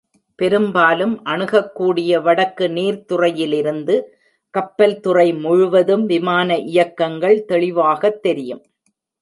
பெரும்பாலும் அணுகக்கூடிய வடக்கு நீர்த்துறையிலிருந்து, கப்பல்துறை முழுவதும் விமான இயக்கங்கள் தெளிவாகத் தெரியும்.